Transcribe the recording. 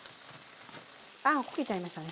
あっ焦げちゃいましたね。